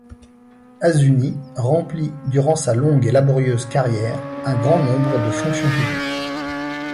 Azuni remplit, durant sa longue et laborieuse carrière, un grand nombre de fonctions publiques.